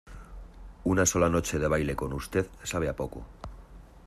una sola noche de baile con usted sabe a poco.